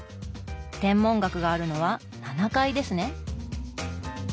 天文学があるのは７階ですね。